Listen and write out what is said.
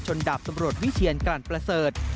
จนดับตำรวจวิเชียนกรรณประเสริฐ